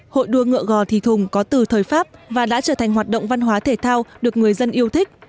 hội đua ngựa gò thị thùng có từ thời pháp và đã trở thành hoạt động văn hóa thể thao được người dân yêu thích